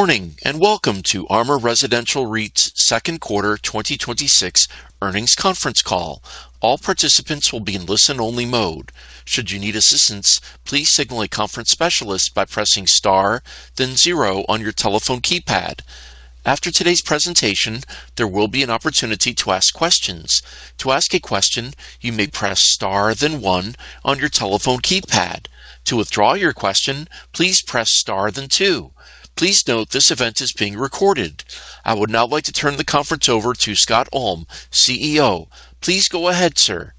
Morning, welcome to ARMOUR Residential REIT's second quarter 2026 earnings conference call. All participants will be in listen-only mode. Should you need assistance, please signal a conference specialist by pressing star then zero on your telephone keypad. After today's presentation, there will be an opportunity to ask questions. To ask a question, you may press star then one on your telephone keypad. To withdraw your question, please press star then two. Please note this event is being recorded. I would now like to turn the conference over to Scott Ulm, CEO. Please go ahead, sir.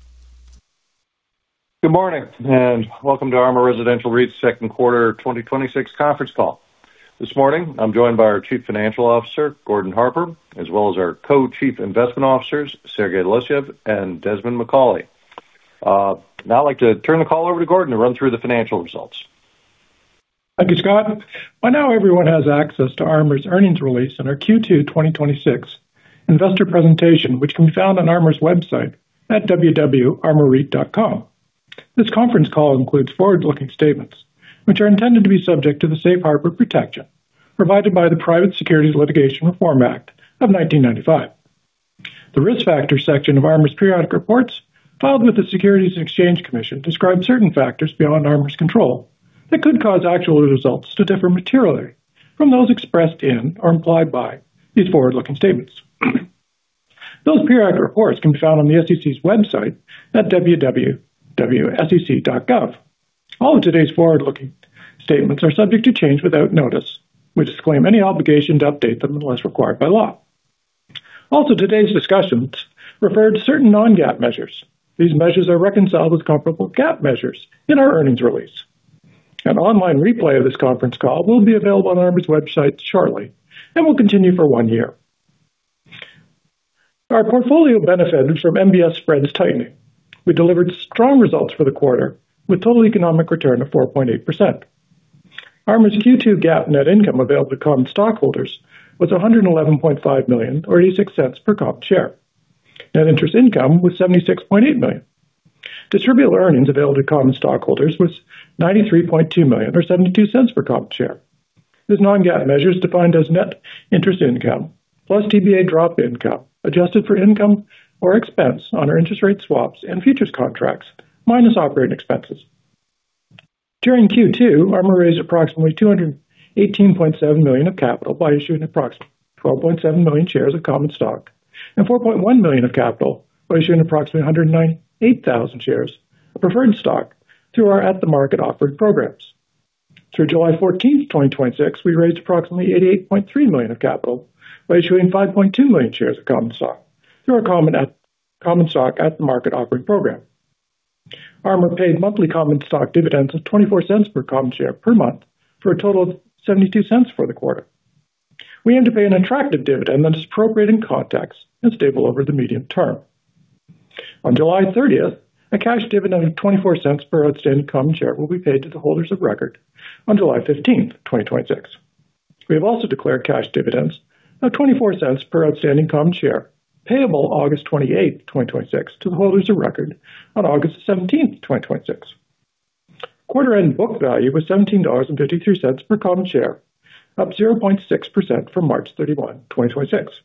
Good morning, welcome to ARMOUR Residential REIT's second quarter 2026 conference call. This morning, I'm joined by our Chief Financial Officer, Gordon Harper, as well as our Co-Chief Investment Officers, Sergey Losyev and Desmond Macauley. I'd like to turn the call over to Gordon to run through the financial results. Thank you, Scott. By now everyone has access to ARMOUR's earnings release and our Q2 2026 investor presentation, which can be found on ARMOUR's website at www.armourreit.com. This conference call includes forward-looking statements, which are intended to be subject to the safe harbor protection provided by the Private Securities Litigation Reform Act of 1995. The Risk Factors section of ARMOUR's periodic reports, filed with the Securities and Exchange Commission, describe certain factors beyond ARMOUR's control that could cause actual results to differ materially from those expressed in or implied by these forward-looking statements. Those periodic reports can be found on the SEC's website at www.sec.gov. All of today's forward-looking statements are subject to change without notice. We disclaim any obligation to update them unless required by law. Today's discussions refer to certain non-GAAP measures. These measures are reconciled with comparable GAAP measures in our earnings release. An online replay of this conference call will be available on ARMOUR's website shortly and will continue for one year. Our portfolio benefited from MBS spreads tightening. We delivered strong results for the quarter, with total economic return of 4.8%. ARMOUR's Q2 GAAP net income available to common stockholders was $111.5 million, or $0.86 per common share. Net interest income was $76.8 million. Distributable earnings available to common stockholders was $93.2 million or $0.72 per common share. This non-GAAP measure is defined as net interest income plus TBA drop income, adjusted for income or expense on our interest rate swaps and futures contracts, minus operating expenses. During Q2, ARMOUR raised approximately $218.7 million of capital by issuing approximately 12.7 million shares of common stock and $4.1 million of capital by issuing approximately 198,000 shares of preferred stock through our at-the-market offering programs. Through July 14th, 2026, we raised approximately $88.3 million of capital by issuing 5.2 million shares of common stock through our common stock at-the-market offering program. ARMOUR paid monthly common stock dividends of $0.24 per common share per month, for a total of $0.72 for the quarter. We aim to pay an attractive dividend that is appropriate in context and stable over the medium term. On July 30th, a cash dividend of $0.24 per outstanding common share will be paid to the holders of record on July 15th, 2026. We have also declared cash dividends of $0.24 per outstanding common share, payable August 28th, 2026 to the holders of record on August 17th, 2026. Quarter-end book value was $17.53 per common share, up 0.6% from March 31, 2026.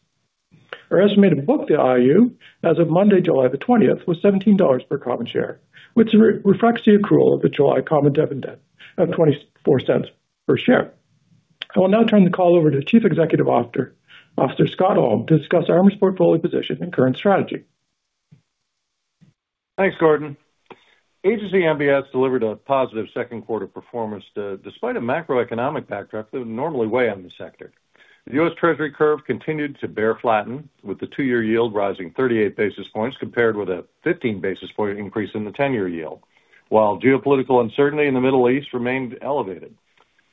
Our estimated book value as of Monday, July 20th, was $17 per common share, which reflects the accrual of the July common dividend of $0.24 per share. I will now turn the call over to Chief Executive Officer Scott Ulm to discuss ARMOUR's portfolio position and current strategy. Thanks, Gordon. Agency MBS delivered a positive second quarter performance despite a macroeconomic backdrop that would normally weigh on the sector. The U.S. Treasury curve continued to bear flatten, with the two-year yield rising 38 basis points, compared with a 15 basis point increase in the 10-year yield. While geopolitical uncertainty in the Middle East remained elevated.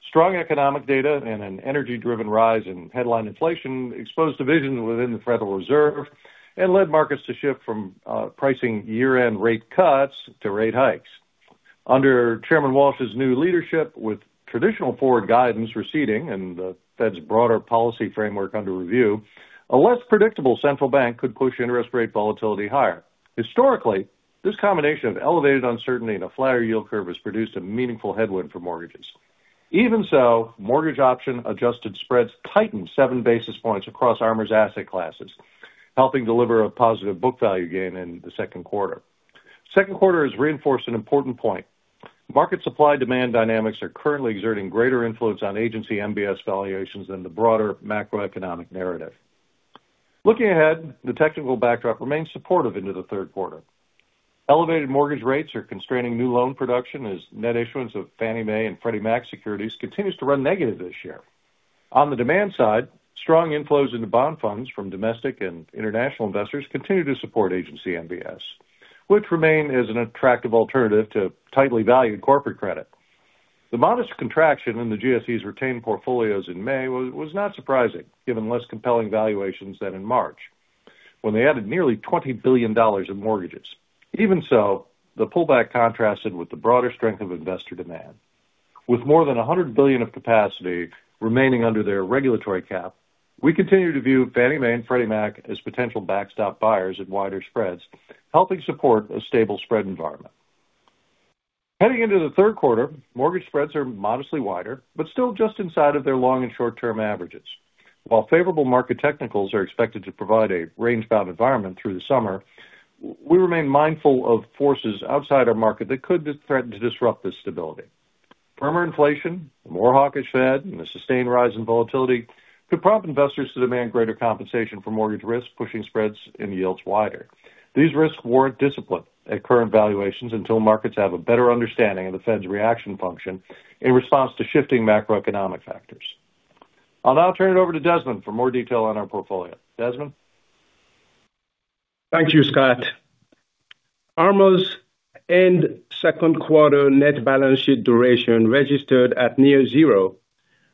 Strong economic data and an energy-driven rise in headline inflation exposed divisions within the Federal Reserve and led markets to shift from pricing year-end rate cuts to rate hikes. Under Chairman Walsh's new leadership, with traditional forward guidance receding and the Fed's broader policy framework under review, a less predictable central bank could push interest rate volatility higher. Historically, this combination of elevated uncertainty and a flatter yield curve has produced a meaningful headwind for mortgages. Even so, mortgage option adjusted spreads tightened seven basis points across ARMOUR's asset classes, helping deliver a positive book value gain in the second quarter. Second quarter has reinforced an important point. Market supply-demand dynamics are currently exerting greater influence on Agency MBS valuations than the broader macroeconomic narrative. Looking ahead, the technical backdrop remains supportive into the third quarter. Elevated mortgage rates are constraining new loan production as net issuance of Fannie Mae and Freddie Mac securities continues to run negative this year. On the demand side, strong inflows into bond funds from domestic and international investors continue to support Agency MBS, which remain as an attractive alternative to tightly valued corporate credit. The modest contraction in the GSEs' retained portfolios in May was not surprising, given less compelling valuations than in March, when they added nearly $20 billion in mortgages. Even so, the pullback contrasted with the broader strength of investor demand. With more than $100 billion of capacity remaining under their regulatory cap, we continue to view Fannie Mae and Freddie Mac as potential backstop buyers at wider spreads, helping support a stable spread environment. Heading into the third quarter, mortgage spreads are modestly wider, but still just inside of their long and short-term averages. While favorable market technicals are expected to provide a range-bound environment through the summer, we remain mindful of forces outside our market that could threaten to disrupt this stability. Firmer inflation, a more hawkish Fed, and a sustained rise in volatility could prompt investors to demand greater compensation for mortgage risk, pushing spreads and yields wider. These risks warrant discipline at current valuations until markets have a better understanding of the Fed's reaction function in response to shifting macroeconomic factors. I'll now turn it over to Desmond for more detail on our portfolio. Desmond? Thank you, Scott. ARMOUR's end second quarter net balance sheet duration registered at near zero,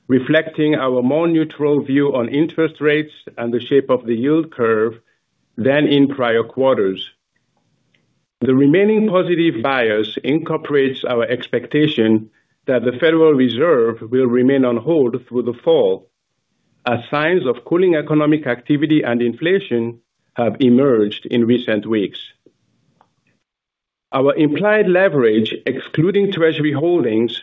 reflecting our more neutral view on interest rates and the shape of the yield curve than in prior quarters. The remaining positive bias incorporates our expectation that the Federal Reserve will remain on hold through the fall as signs of cooling economic activity and inflation have emerged in recent weeks. Our implied leverage, excluding Treasury holdings,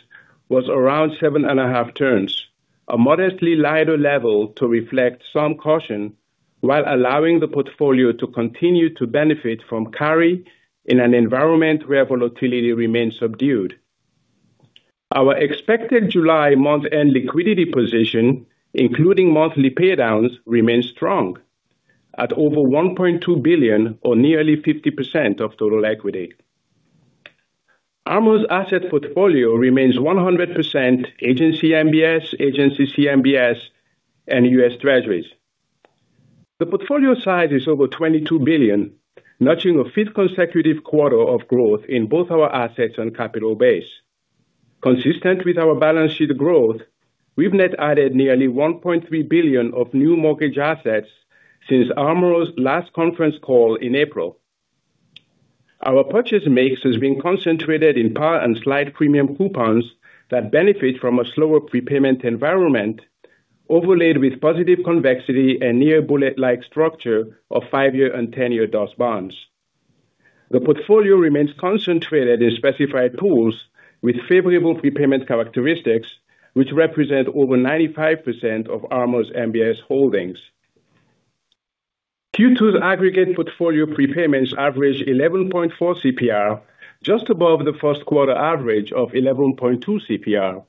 was around seven and a half turns, a modestly lighter level to reflect some caution while allowing the portfolio to continue to benefit from carry in an environment where volatility remains subdued. Our expected July month-end liquidity position, including monthly paydowns, remains strong at over $1.2 billion or nearly 50% of total equity. ARMOUR's asset portfolio remains 100% Agency MBS, Agency CMBS, and U.S. Treasuries. The portfolio size is over $22 billion, notching a fifth consecutive quarter of growth in both our assets and capital base. Consistent with our balance sheet growth, we've net added nearly $1.3 billion of new mortgage assets since ARMOUR's last conference call in April. Our purchase mix has been concentrated in par and slight premium coupons that benefit from a slower prepayment environment overlaid with positive convexity and near bullet-like structure of five-year and 10-year DUS bonds. The portfolio remains concentrated in specified pools with favorable prepayment characteristics, which represent over 95% of ARMOUR's MBS holdings. Q2's aggregate portfolio prepayments average 11.4 CPR, just above the first quarter average of 11.2 CPR.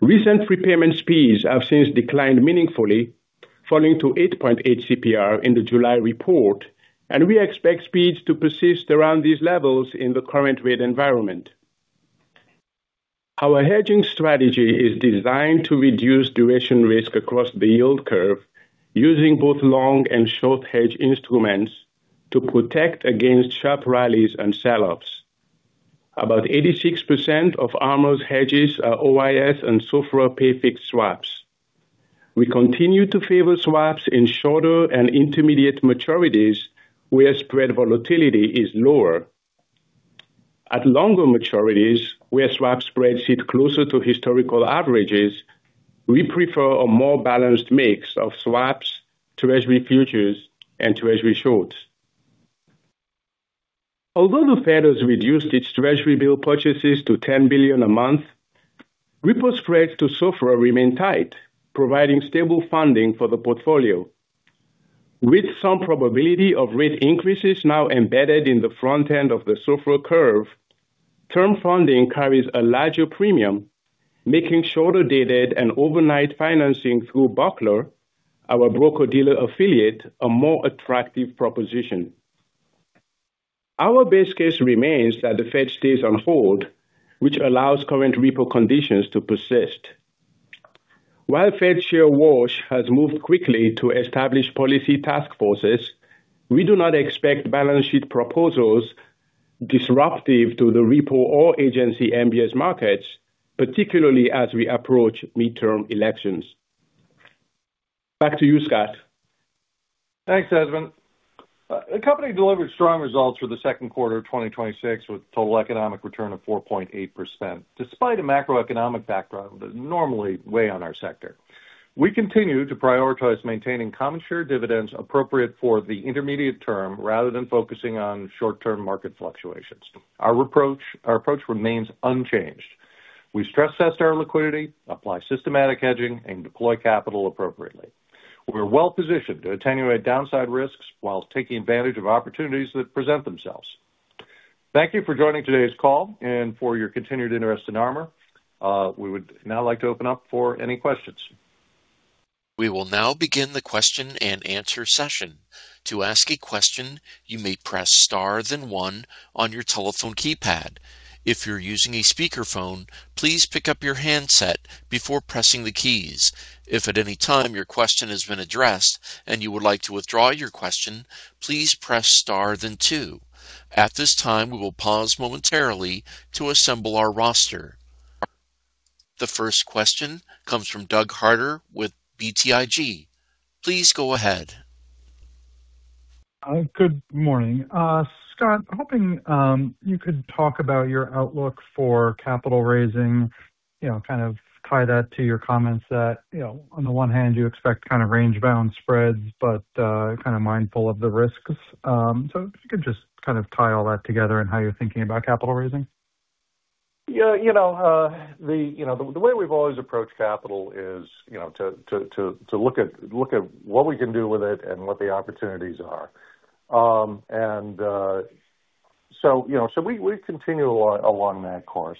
Recent prepayment speeds have since declined meaningfully, falling to 8.8 CPR in the July report. We expect speeds to persist around these levels in the current rate environment. Our hedging strategy is designed to reduce duration risk across the yield curve using both long and short hedge instruments to protect against sharp rallies and selloffs. About 86% of ARMOUR's hedges are OIS and SOFR pay fixed swaps. We continue to favor swaps in shorter and intermediate maturities where spread volatility is lower. At longer maturities, where swap spreads sit closer to historical averages, we prefer a more balanced mix of swaps, Treasury futures, and Treasury shorts. Although the Fed has reduced its Treasury bill purchases to $10 billion a month, repo spreads to SOFR remain tight, providing stable funding for the portfolio. With some probability of rate increases now embedded in the front end of the SOFR curve, term funding carries a larger premium, making shorter-dated and overnight financing through BUCKLER, our broker-dealer affiliate, a more attractive proposition. Our base case remains that the Fed stays on hold, which allows current repo conditions to persist. While Fed Chair Walsh has moved quickly to establish policy task forces, we do not expect balance sheet proposals disruptive to the repo or Agency MBS markets, particularly as we approach midterm elections. Back to you, Scott. Thanks, Desmond. The company delivered strong results for the second quarter of 2026, with total economic return of 4.8%, despite a macroeconomic background that normally weigh on our sector. We continue to prioritize maintaining common share dividends appropriate for the intermediate term rather than focusing on short-term market fluctuations. Our approach remains unchanged. We stress test our liquidity, apply systematic hedging, and deploy capital appropriately. We're well-positioned to attenuate downside risks while taking advantage of opportunities that present themselves. Thank you for joining today's call and for your continued interest in ARMOUR. We would now like to open up for any questions. We will now begin the question and answer session. To ask a question, you may press star then one on your telephone keypad. If you're using a speakerphone, please pick up your handset before pressing the keys. If at any time your question has been addressed and you would like to withdraw your question, please press star then two. At this time, we will pause momentarily to assemble our roster. The first question comes from Doug Harter with BTIG. Please go ahead. Good morning. Scott, hoping you could talk about your outlook for capital raising, kind of tie that to your comments that on the one hand you expect kind of range-bound spreads, but kind of mindful of the risks. If you could just kind of tie all that together and how you're thinking about capital raising. Yeah. The way we've always approached capital is to look at what we can do with it and what the opportunities are. We continue along that course.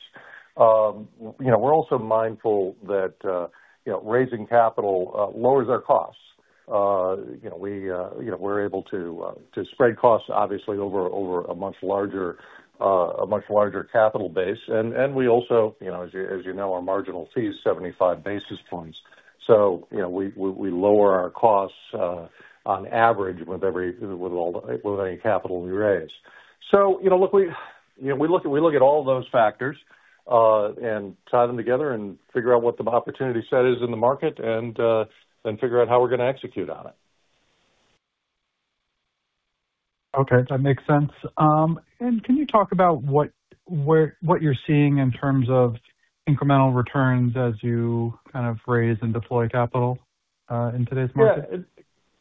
We're also mindful that raising capital lowers our costs. We're able to spread costs, obviously, over a much larger capital base. We also, as you know, our marginal fee is 75 basis points. We lower our costs on average with any capital we raise. Look, we look at all those factors and tie them together and figure out what the opportunity set is in the market, and then figure out how we're going to execute on it. Okay. That makes sense. Can you talk about what you're seeing in terms of incremental returns as you kind of raise and deploy capital in today's market?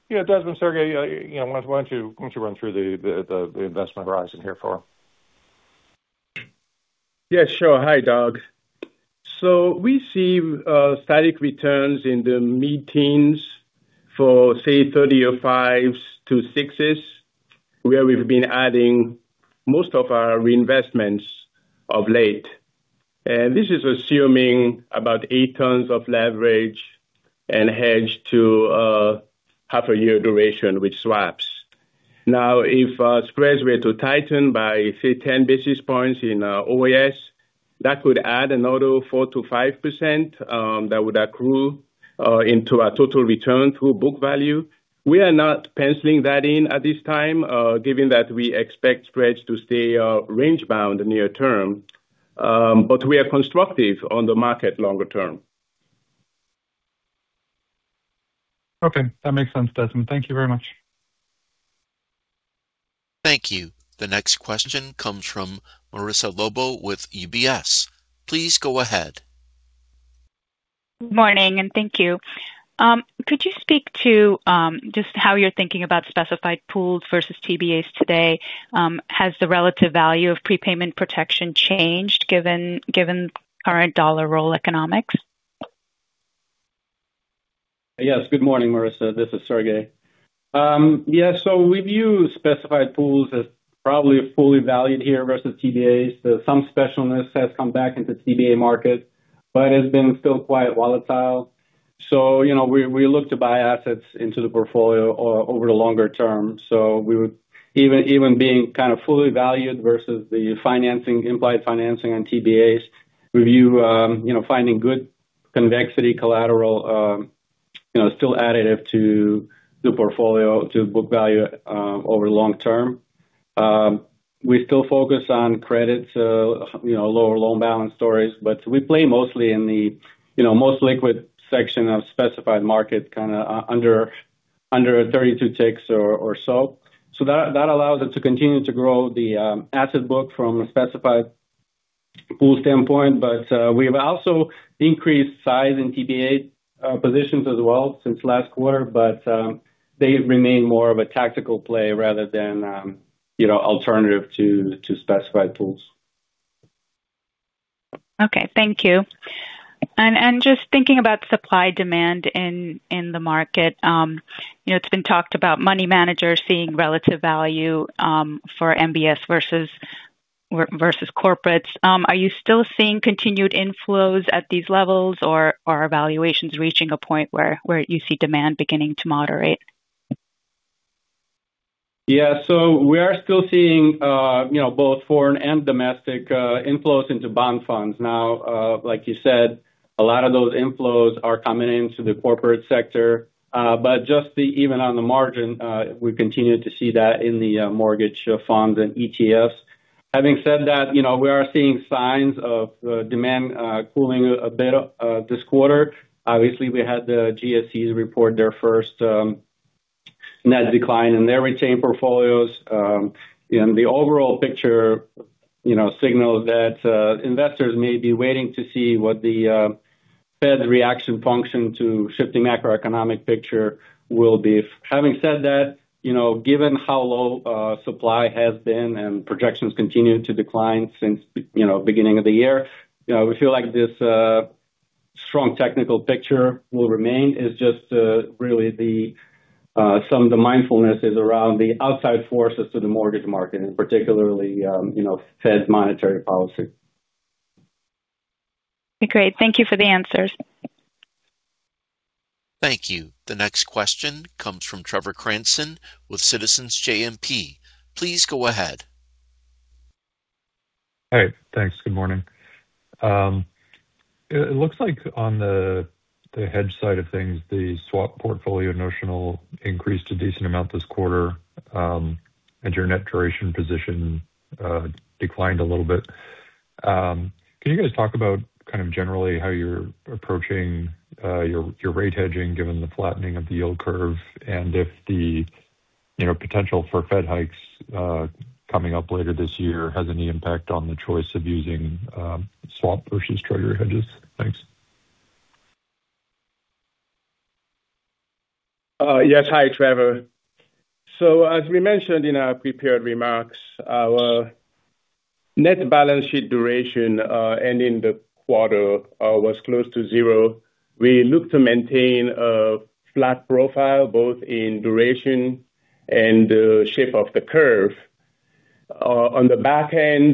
Yeah. Desmond, Sergey, why don't you run through the investment horizon here for them. Yeah, sure. Hi, Doug. We see static returns in the mid-teens for, say, 30 or fives to sixes, where we've been adding most of our reinvestments of late. This is assuming about eight turns of leverage and hedge to half a year duration with swaps. Now, if spreads were to tighten by, say, 10 basis points in OAS, that could add another 4%-5% that would accrue into our total return through book value. We are not penciling that in at this time, given that we expect spreads to stay range-bound near term. We are constructive on the market longer term. Okay. That makes sense, Desmond. Thank you very much. Thank you. The next question comes from Marissa Lobo with UBS. Please go ahead. Morning, thank you. Could you speak to just how you're thinking about specified pools versus TBAs today? Has the relative value of prepayment protection changed given current dollar roll economics? Yes. Good morning, Marissa. This is Sergey. We view specified pools as probably fully valued here versus TBAs. Some specialness has come back into TBA markets, but it's been still quite volatile. We look to buy assets into the portfolio over the longer term. Even being kind of fully valued versus the implied financing on TBAs, we view finding good convexity collateral still additive to the portfolio to book value over long term. We still focus on credits, lower loan balance stories, but we play mostly in the most liquid section of specified market, kind of under 32 ticks or so. That allows us to continue to grow the asset book from a specified pool standpoint. We've also increased size in TBA positions as well since last quarter. They remain more of a tactical play rather than alternative to specified pools. Okay. Thank you. Just thinking about supply-demand in the market. It's been talked about money managers seeing relative value for MBS versus corporates. Are you still seeing continued inflows at these levels, or are evaluations reaching a point where you see demand beginning to moderate? We are still seeing both foreign and domestic inflows into bond funds. Now, like you said, a lot of those inflows are coming into the corporate sector. Just even on the margin, we continue to see that in the mortgage funds and ETFs. Having said that, we are seeing signs of demand cooling a bit this quarter. Obviously, we had the GSEs report their first net decline in their retained portfolios. The overall picture signals that investors may be waiting to see what the Fed's reaction function to shifting macroeconomic picture will be. Having said that, given how low supply has been and projections continue to decline since beginning of the year, we feel like this strong technical picture will remain. It's just really some of the mindfulness is around the outside forces to the mortgage market, and particularly Fed's monetary policy. Okay, great. Thank you for the answers. Thank you. The next question comes from Trevor Cranston with Citizens JMP. Please go ahead. Hey, thanks. Good morning. It looks like on the hedge side of things, the swap portfolio notional increased a decent amount this quarter, and your net duration position declined a little bit. Can you guys talk about kind of generally how you're approaching your rate hedging given the flattening of the yield curve, and if the potential for Fed hikes coming up later this year has any impact on the choice of using swap versus Treasury hedges? Thanks. Yes. Hi, Trevor. As we mentioned in our prepared remarks, our net balance sheet duration ending the quarter was close to zero. We look to maintain a flat profile both in duration and the shape of the curve. On the back end,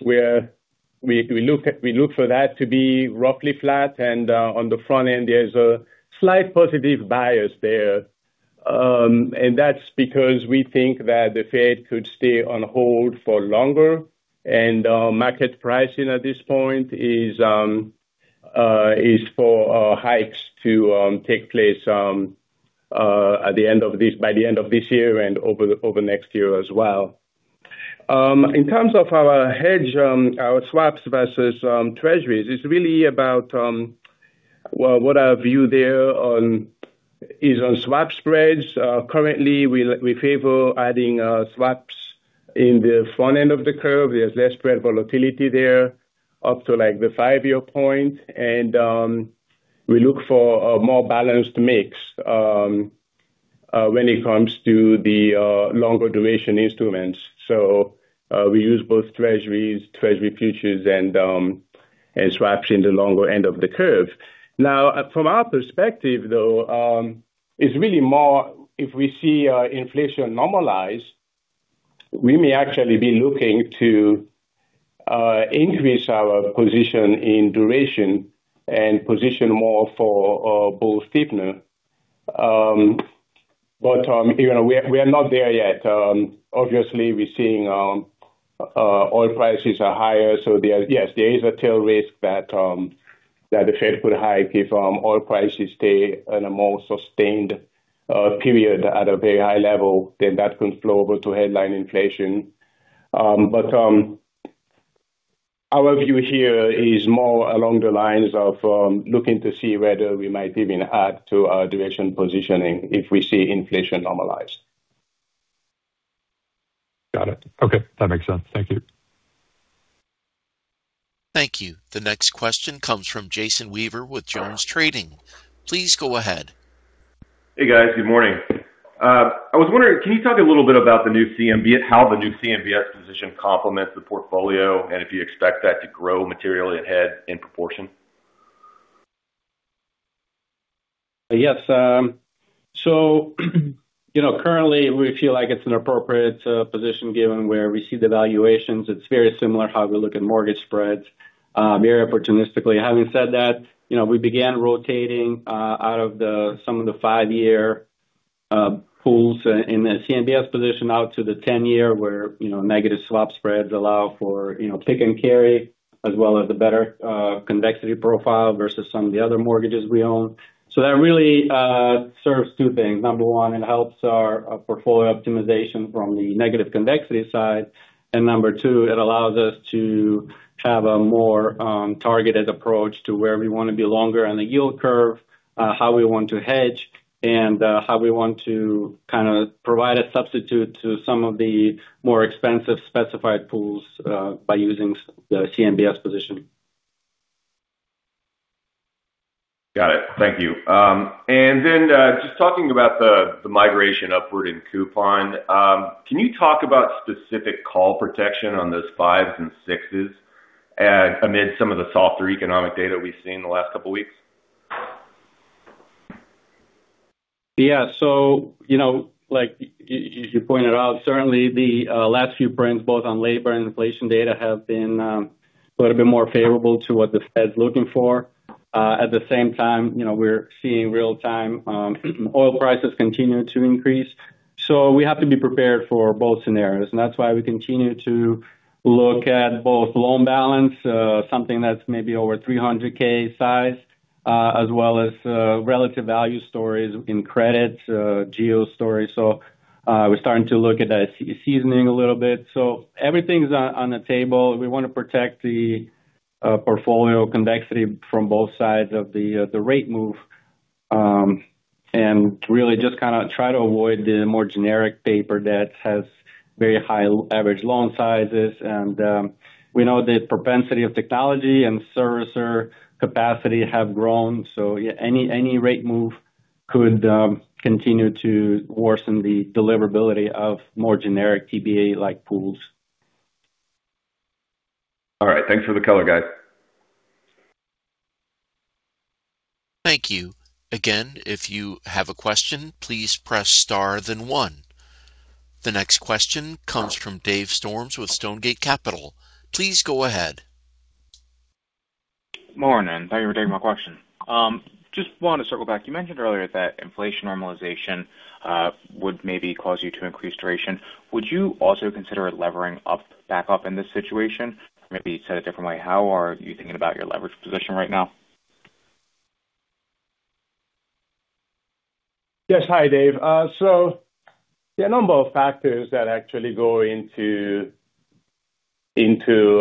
we look for that to be roughly flat, and on the front end, there's a slight positive bias there. That's because we think that the Fed could stay on hold for longer, and market pricing at this point is for hikes to take place by the end of this year and over next year as well. In terms of our hedge, our swaps versus treasuries, it's really about what our view there is on swap spreads. Currently, we favor adding swaps in the front end of the curve. There's less spread volatility there up to the five-year point. We look for a more balanced mix when it comes to the longer duration instruments. We use both treasuries, treasury futures, and swaps in the longer end of the curve. From our perspective, though, it's really more if we see inflation normalize, we may actually be looking to increase our position in duration and position more for both steepness. We are not there yet. Obviously, we're seeing oil prices are higher, so yes, there is a tail risk that the Fed could hike if oil prices stay in a more sustained period at a very high level, then that could flow over to headline inflation. Our view here is more along the lines of looking to see whether we might even add to our duration positioning if we see inflation normalize. Got it. Okay. That makes sense. Thank you. Thank you. The next question comes from Jason Weaver with Jones Trading. Please go ahead. Hey, guys. Good morning. I was wondering, can you talk a little bit about how the new CMBS position complements the portfolio and if you expect that to grow materially ahead in proportion? Yes. Currently we feel like it's an appropriate position given where we see the valuations. It's very similar to how we look at mortgage spreads, very opportunistically. Having said that, we began rotating out of some of the five-year pools in the CMBS position out to the 10-year, where negative swap spreads allow for take and carry as well as a better convexity profile versus some of the other mortgages we own. That really serves two things. Number one, it helps our portfolio optimization from the negative convexity side, and number two, it allows us to have a more targeted approach to where we want to be longer on the yield curve, how we want to hedge, and how we want to provide a substitute to some of the more expensive specified pools by using the CMBS position. Got it. Thank you. Just talking about the migration upward in coupon, can you talk about specific call protection on those fives and sixes amid some of the softer economic data we've seen in the last couple of weeks? As you pointed out, certainly the last few prints both on labor and inflation data have been a little bit more favorable to what the Fed's looking for. At the same time, we're seeing real-time oil prices continue to increase. We have to be prepared for both scenarios, and that's why we continue to look at both loan balance, something that's maybe over $300,000 size, as well as relative value stories in credits, geo stories. We're starting to look at that seasoning a little bit. Everything's on the table. We want to protect the portfolio convexity from both sides of the rate move, and really just try to avoid the more generic paper that has very high average loan sizes. We know the propensity of technology and servicer capacity have grown. Any rate move could continue to worsen the deliverability of more generic TBA-like pools. All right. Thanks for the color, guys. Thank you. Again, if you have a question, please press star then one. The next question comes from Dave Storms with Stonegate Capital. Please go ahead. Morning. Thank you for taking my question. Just wanted to circle back. You mentioned earlier that inflation normalization would maybe cause you to increase duration. Would you also consider levering back up in this situation? Maybe said a different way, how are you thinking about your leverage position right now? Yes. Hi, Dave. There are a number of factors that actually go into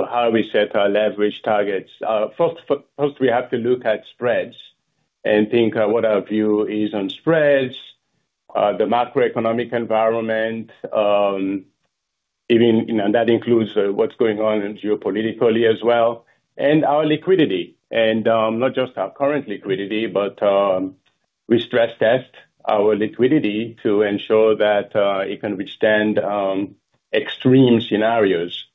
how we set our leverage targets. First, we have to look at spreads and think what our view is on spreads, the macroeconomic environment. Even that includes what's going on geopolitically as well, and our liquidity. Not just our current liquidity, but we stress-test our liquidity to ensure that it can withstand extreme scenarios.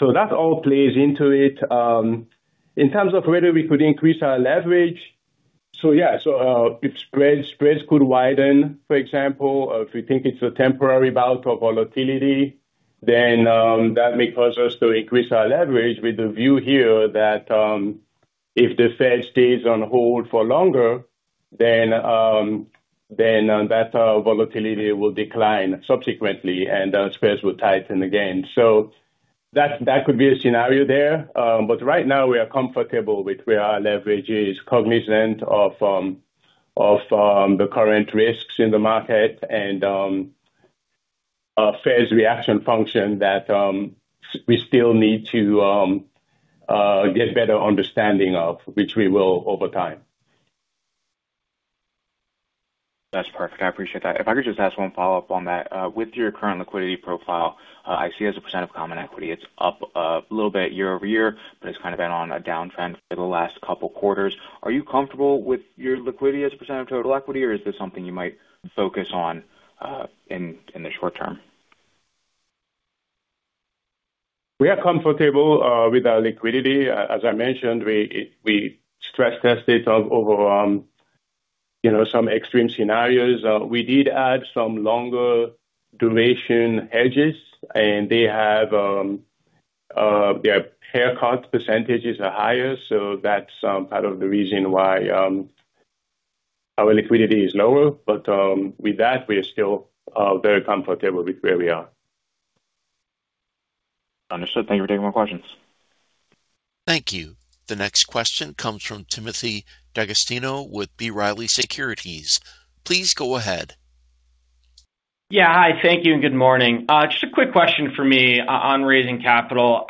That all plays into it. In terms of whether we could increase our leverage. Yeah, if spreads could widen, for example, if we think it's a temporary bout of volatility, then that may cause us to increase our leverage with the view here that if the Fed stays on hold for longer, then that volatility will decline subsequently and our spreads will tighten again. That could be a scenario there. Right now we are comfortable with where our leverage is, cognizant of the current risks in the market and Fed's reaction function that we still need to get better understanding of, which we will over time. That's perfect. I appreciate that. If I could just ask one follow-up on that. With your current liquidity profile, I see as a percentage of common equity, it's up a little bit year-over-year, but it's kind of been on a downtrend for the last couple quarters. Are you comfortable with your liquidity as a percentage of total equity, or is this something you might focus on in the short term? We are comfortable with our liquidity. As I mentioned, we stress-tested over some extreme scenarios. We did add some longer duration hedges, and their haircut percentages are higher, so that's part of the reason why our liquidity is lower. With that, we are still very comfortable with where we are. Understood. Thank you for taking my questions. Thank you. The next question comes from Timothy D'Agostino with B. Riley Securities. Please go ahead. Yeah. Hi, thank you, and good morning. Just a quick question for me on raising capital.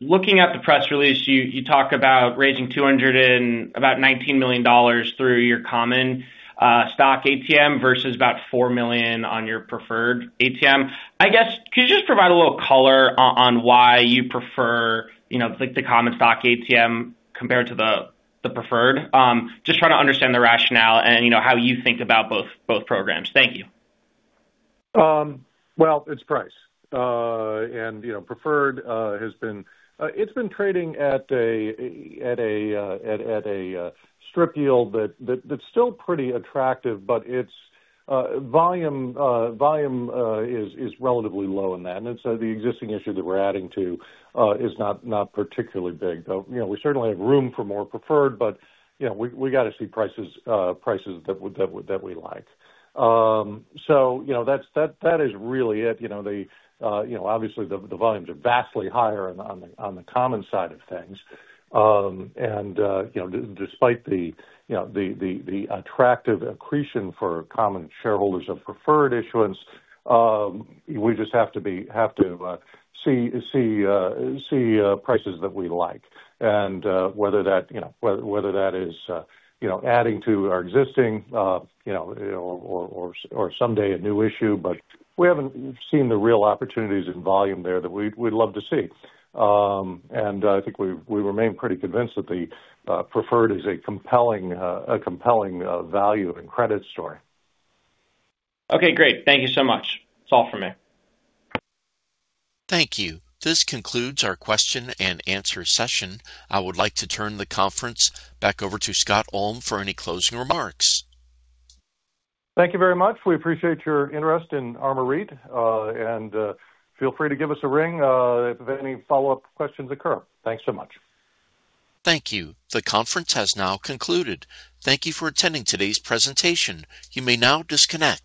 Looking at the press release, you talk about raising $219 million through your common stock ATM versus about $4 million on your preferred ATM. I guess, could you just provide a little color on why you prefer the common stock ATM compared to the preferred? Just trying to understand the rationale and how you think about both programs. Thank you. Well, it's price. Preferred, it's been trading at a strip yield that's still pretty attractive, but its volume is relatively low in that. The existing issue that we're adding to is not particularly big. We certainly have room for more preferred, but we got to see prices that we like. That is really it. Obviously, the volumes are vastly higher on the common side of things. Despite the attractive accretion for common shareholders of preferred issuance, we just have to see prices that we like. Whether that is adding to our existing or someday a new issue. We haven't seen the real opportunities in volume there that we'd love to see. I think we remain pretty convinced that the preferred is a compelling value and credit story. Okay, great. Thank you so much. That's all for me. Thank you. This concludes our question and answer session. I would like to turn the conference back over to Scott Ulm for any closing remarks. Thank you very much. We appreciate your interest in ARMOUR REIT. Feel free to give us a ring if any follow-up questions occur. Thanks so much. Thank you. The conference has now concluded. Thank you for attending today's presentation. You may now disconnect.